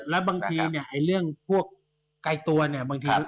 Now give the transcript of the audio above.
และบางทีใกล้ตัวเนี่ย